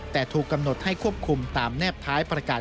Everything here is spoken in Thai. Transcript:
แต่ถูกกำหนดให้ควบคุมตามแนบท้ายประกาศ